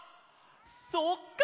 そっか！